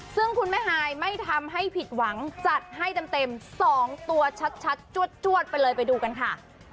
ซึ่งคุณแม่ฮายไม่ทำให้ผิดหวังจัดให้เต็ม๒ตัวชัดจวดไปเลยไปดูกันค่ะ